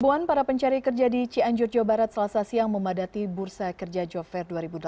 ribuan para pencari kerja di cianjur jawa barat selasa siang memadati bursa kerja job fair dua ribu delapan belas